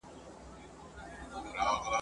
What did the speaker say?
بس همدا د زورورو عدالت دی !.